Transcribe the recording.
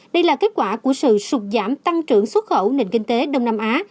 đây là kết quả của sự sụt giảm tăng trưởng xuất khẩu nền kinh tế đông nam á